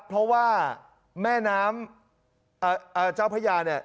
เพราะว่าแม่น้ำเจ้าพระยาเนี่ย